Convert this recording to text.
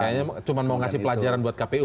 kayaknya cuma mau ngasih pelajaran buat kpu